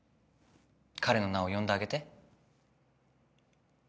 かれの名をよんであげて。